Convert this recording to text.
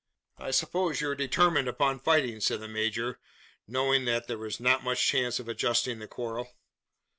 "I suppose you are determined upon fighting?" said the major, knowing that, there was not much chance of adjusting the quarrel.